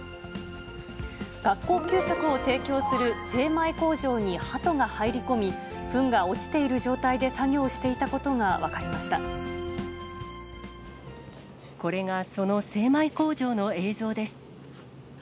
学校給食を提供する精米工場にハトが入り込み、ふんが落ちている状態で作業していたことが分これがその精米工場の映像です。